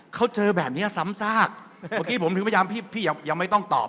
เขาเจอแบบนี้ซ้ำซากเมื่อกี้ผมถึงพยายามพี่ยังไม่ต้องตอบ